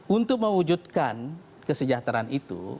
untuk mewujudkan kesejahteraan itu